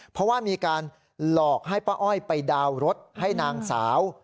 เพราะว่ามีการหลอกให้ป้าอ้อยไปดาวน์รถให้นางสาว